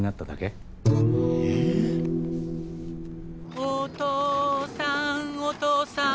お父さんお父さん